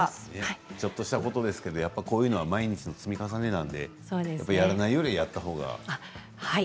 ちょっとしたことですけれども、これは毎日の積み重ねなのでやらないよりもやったほうが。